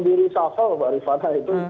dirisafal mbak rifat itu